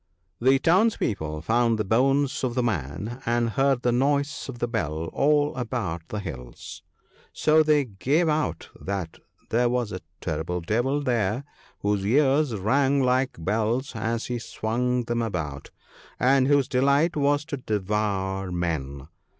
The townspeople found the bones of the man, and heard the noise of the bell all about the JO THE HOOK OF GOOD COUNSELS. hills ; so they gave out that there was a terrible devil there, whose ears rang like bells as he swung them about, and whose delight was to devour men.